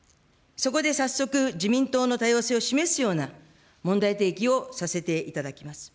そこで早速、自民党の多様性を示すような問題提起をさせていただきます。